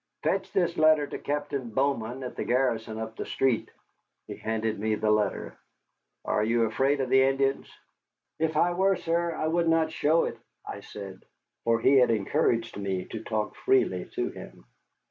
Fetch this letter to Captain Bowman at the garrison up the street." He handed me the letter. "Are you afraid of the Indians?" "If I were, sir, I would not show it," I said, for he had encouraged me to talk freely to him.